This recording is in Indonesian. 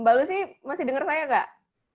mbak lucy masih dengar saya gak